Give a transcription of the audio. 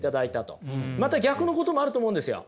また逆のこともあると思うんですよ。